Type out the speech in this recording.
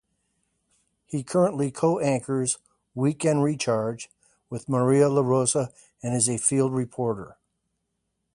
He currently co-anchors "Weekend Recharge" with Maria LaRosa and is a field reporter.